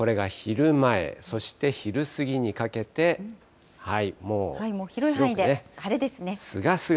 これが昼前、そして昼過ぎにかけもう広い範囲で晴れですね。